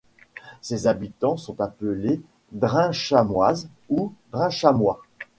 Ses habitants sont appelés Drinchamoises ou Drinchamois.